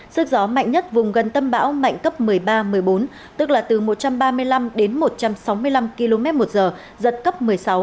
sức gió mạnh nhất vùng gần tâm bão mạnh cấp một mươi ba một mươi bốn tức là từ một trăm ba mươi năm đến một trăm sáu mươi năm km một giờ giật cấp một mươi sáu